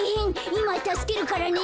いまたすけるからね。